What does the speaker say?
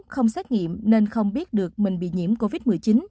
không xét nghiệm nên không biết được mình bị nhiễm covid một mươi chín